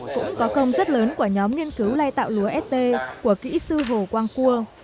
cũng có công rất lớn của nhóm nghiên cứu lai tạo lúa st của kỹ sư hồ quang cua